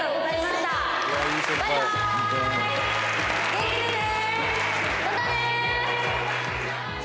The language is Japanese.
元気でね。